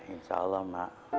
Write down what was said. insya allah ma